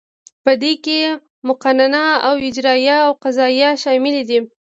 په دې کې مقننه او اجراییه او قضاییه شاملې دي.